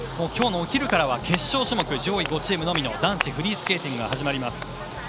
今日のお昼からは、決勝種目上位５チームのみの男子フリースケーティングが始まります。